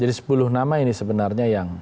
jadi sepuluh nama ini sebenarnya yang